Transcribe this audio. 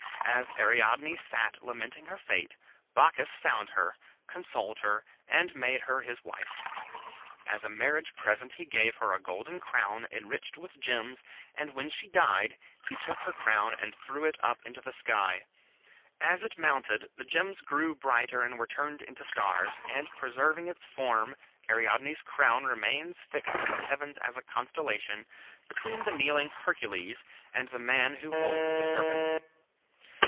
As Ariadne sat lamenting her fate, Bacchus found her, consoled her, and made her his wife. As a marriage present he gave her a golden crown, enriched with gems, and when she died, he took her crown and threw it up into the sky. As it mounted the gems grew brighter and were turned into stars, and preserving its form Ariadne's crown remains fixed in the heavens as a constellation, between the kneeling Hercules and the man who holds the serpent.